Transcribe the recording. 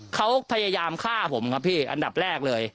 เขาพยายามฆ่าผมครับพี่อันดับแรกเลย